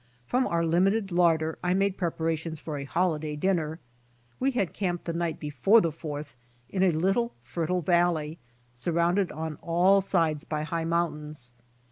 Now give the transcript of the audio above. Prom our limited larder I made preparations for a holiday dinner. We had camped the night before the Fourth in a little fertile valley, surrounded on all sides by high mountains.